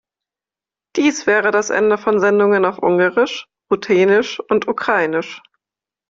Dies wäre das Ende von Sendungen auf Ungarisch, Ruthenisch und Ukrainisch.